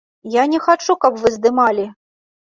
Я не хачу, каб вы здымалі!